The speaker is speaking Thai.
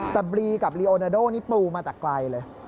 แต่บรีกับลีโอนาโดนี่ปูมาแต่ไกลเลย